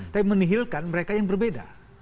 tapi menihilkan mereka yang berbeda